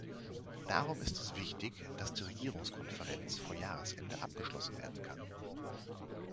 Darum ist es wichtig, dass die Regierungskonferenz vor Jahresende abgeschlossen werden kann.